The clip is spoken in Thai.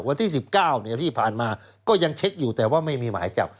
วันที่๑๙ที่ผ่านมาก็ยังเช็คอยู่แต่ว่าไม่มีหมายจับ